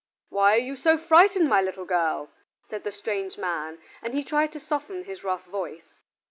"Why are you so frightened, my little girl?" said the strange man, and he tried to soften his rough voice.